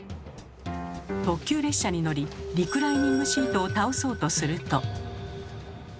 特急列車に乗りリクライニングシートを倒そうとすると。